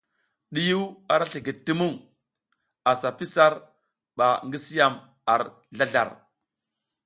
Ɗiyiw ara slikid ti muŋ, asa pi sar ba gi si yam ar zlazlar.